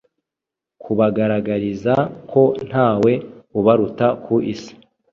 Kubagaragariza ko ntawe ubaruta ku Isi